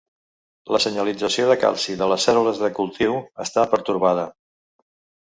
La senyalització de calci de les cèl·lules de cultiu està pertorbada.